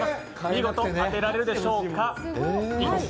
見事、当てられるでしょう。